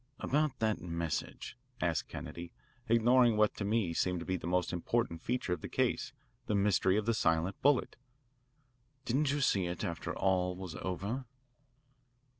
"About that message," asked Kennedy, ignoring what to me seemed to be the most important feature of the case, the mystery of the silent bullet. "Didn't you see it after all was over?"